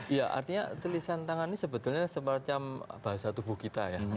iya artinya tulisan tangan ini sebetulnya semacam bahasa tubuh kita ya